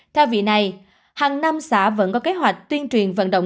theo vị này hàng năm xã vẫn có kế hoạch tuyên truyền vận động